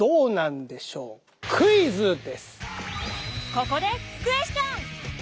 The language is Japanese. ここでクエスチョン！